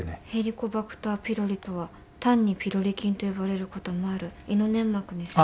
ヘリコバクターピロリとは単にピロリ菌と呼ばれることもある胃の粘膜に。